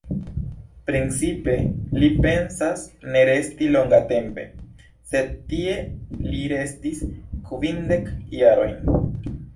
Principe, li pensas ne resti longatempe, sed tie li restis kvindek jarojn.